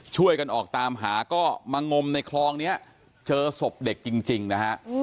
ช่วยกันออกตามหาก็มางมในคลองนี้เจอศพเด็กจริงนะฮะ